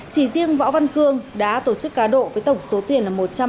chỉ riêng võ văn cương đã tổ chức cá độ với tổng số tiền